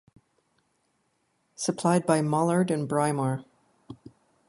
Supplied by Mullard and Brimar.